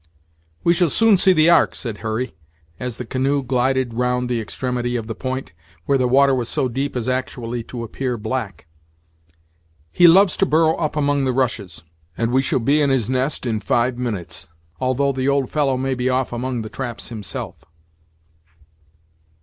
"We shall soon see the ark," said Hurry, as the canoe glided round the extremity of the point, where the water was so deep as actually to appear black; "he loves to burrow up among the rushes, and we shall be in his nest in five minutes, although the old fellow may be off among the traps himself."